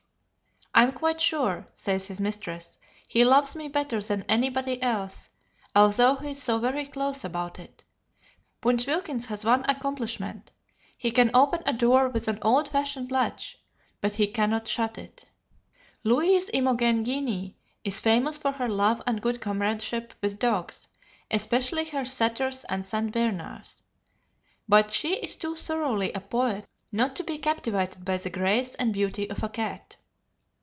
"I am quite sure," says his mistress, "he loves me better than anybody else, although he is so very close about it. Punch Wilkins has one accomplishment. He can open a door with an old fashioned latch: but he cannot shut it." Louise Imogen Guiney is famous for her love and good comradeship with dogs, especially her setters and St. Bernards, but she is too thoroughly a poet not to be captivated by the grace and beauty of a cat.